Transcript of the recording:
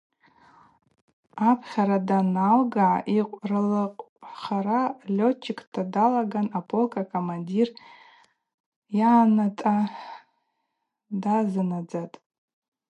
Апхьара даналга йкъвырльыкъвхара летчикта далаган аполк акомандир йъанатӏа дазынадзатӏ.